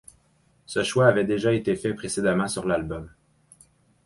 Ce choix avait déjà été fait précédemment sur l'album '.